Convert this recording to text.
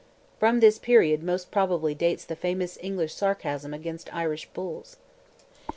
From this period most probably dates the famous English sarcasm against Irish bulls.